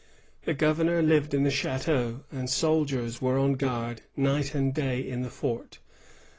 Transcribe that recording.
The governor lived in the chateau, and soldiers were on guard night and day in the fort.